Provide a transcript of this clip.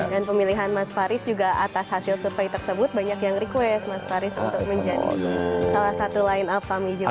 dan pemilihan mas faris juga atas hasil survei tersebut banyak yang request mas faris untuk menjadi salah satu line up kami juga